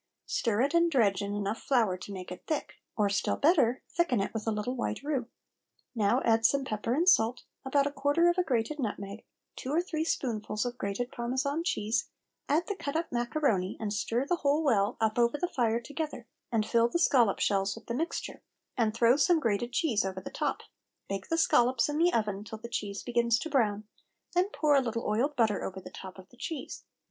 Stir it and dredge in enough flour to make it thick, or still better, thicken it with a little white roux; now add some pepper and salt, about a quarter of a grated nutmeg, two or three spoonfuls of grated Parmesan cheese; add the cut up macaroni and stir the whole well up over the fire together and fill the scollop shells with the mixture, and throw some grated cheese over the top. Bake the scollops in the oven till the cheese begins to brown; then pour a little oiled butter over the top of the cheese.